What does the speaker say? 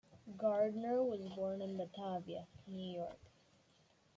Gardner was born in Batavia, New York.